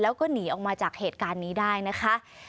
แล้วก็หนีออกมาจากเหตุการณ์นี้ได้นะคะ